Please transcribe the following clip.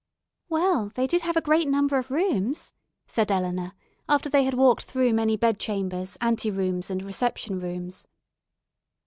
"Well, they did have a great number of rooms," said Eleanor, after they had walked through many bedchambers, anterooms, and reception rooms.